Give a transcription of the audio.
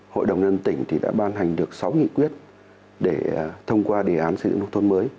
hội đồng nhân tỉnh đã ban hành được sáu nghị quyết để thông qua đề án xây dựng nông thôn mới